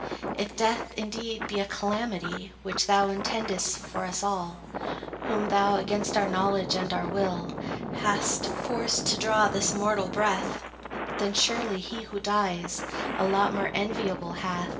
If death, indeed, be a calamity, Which thou intendest for us all, Whom thou, against our knowledge and our will, Hast forced to draw this mortal breath, Then, surely, he who dies, A lot more enviable hath Then he who feels his loved one's death.